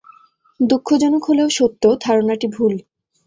দুঃখজনক হলেও সত্য, ধারণাটি ভুল।